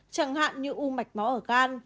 chẳng hạn như u mạch máu ở gan